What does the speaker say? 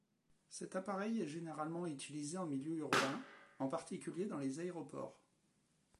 Cet appareil est généralement utilisé en milieu urbain, en particulier dans les aéroports.